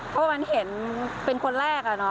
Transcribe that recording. เพราะมันเห็นเป็นคนแรก